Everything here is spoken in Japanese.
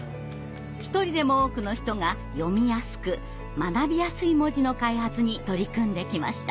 一人でも多くの人が読みやすく学びやすい文字の開発に取り組んできました。